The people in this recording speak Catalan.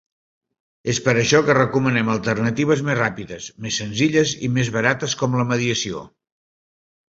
És per això que recomanem alternatives més ràpides, més senzilles i més barates com la mediació.